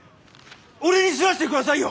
俺に刷らせてくださいよ！